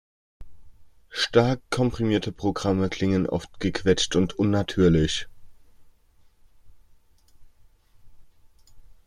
Stark komprimierte Programme klingen oft „gequetscht“ und unnatürlich.